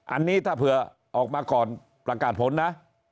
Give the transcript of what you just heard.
อันนี้ถ้าเผื่อออกมาก่อนประกาศผลนะ